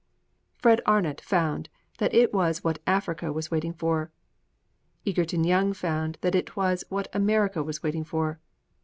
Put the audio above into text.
Fred Arnot found that it was what Africa was waiting for! Egerton Young found that it was what America was waiting for!